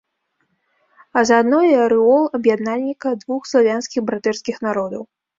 А заадно і арэол аб'яднальніка двух славянскіх братэрскіх народаў.